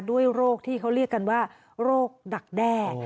โรคที่เขาเรียกกันว่าโรคดักแด้